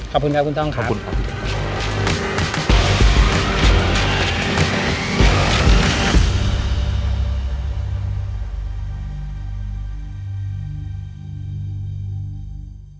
ขอบคุณครับคุณท่องครับ